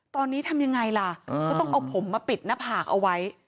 ตอนนี้ทำยังไงล่ะก็ต้องเอาผมมาปิดหน้าผากเอาไว้